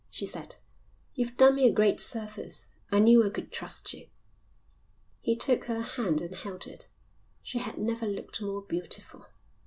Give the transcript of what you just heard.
she said. "You've done me a great service. I knew I could trust you." He took her hand and held it. She had never looked more beautiful.